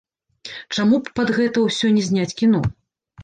Чаму б пад гэта ўсё не зняць кіно?